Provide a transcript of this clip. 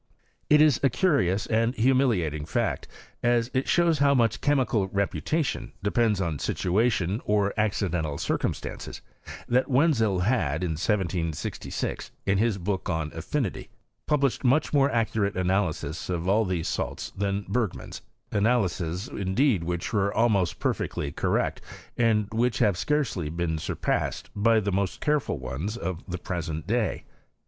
It is a curious and humiliating fact, as it shows HISTORY OF how rnucb chemical reputation depends upon situi tion, or accidental circumstances, that Wenzel bad, in 1766, in his book on affinity, published much more accurate analyses of all these salts, than Berg man's— analyses indeed which were almost perfectly correct, and which hare scarcely been suqiassed, by the most careful ones of the present day.